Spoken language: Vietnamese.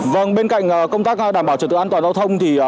vâng bên cạnh công tác đảm bảo trật tự an toàn giao thông thì